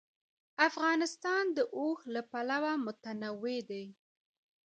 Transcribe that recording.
افغانستان د اوښ له پلوه متنوع دی.